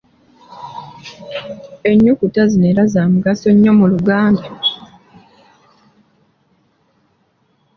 Ennyukuta zino era za mugaso nnyo mu Luganda.